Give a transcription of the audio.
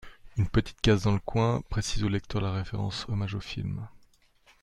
Une petite case dans le coin précise aux lecteurs la référence hommage au film.